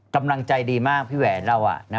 กำลังใจดีมากพี่แหวนเรา